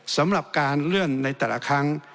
สำหรับการเลื่อนในแต่ละครั้ง